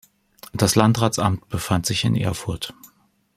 Das Landratsamt befand sich in Erfurt.